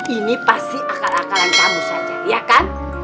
ini pasti akal akalan kamu saja ya kan